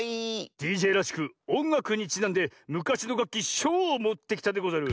ＤＪらしくおんがくにちなんでむかしのがっきしょうをもってきたでござる。